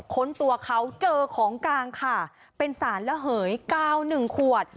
ค้นตัวเขาเจอของกลางค่ะเป็นสารระเหยกาว๑ขวด